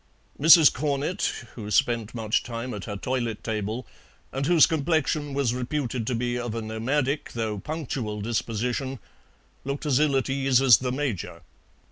Mrs. Cornett, who spent much time at her toilet table, and whose complexion was reputed to be of a nomadic though punctual disposition, looked as ill at ease as the Major.